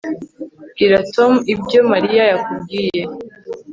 Bwira Tom ibyo Mariya yakubwiye